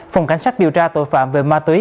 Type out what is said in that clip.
phòng cảnh sát điều tra tội phạm về ma túy